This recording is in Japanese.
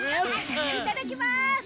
いただきます！